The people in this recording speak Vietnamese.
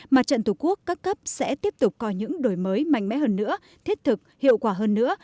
mặt trận tổ quốc các cấp sẽ tiếp tục có những đổi mới mạnh mẽ hơn nữa thiết thực hiệu quả hơn nữa